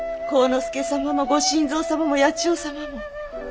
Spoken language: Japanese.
助様もご新造様も八千代様も。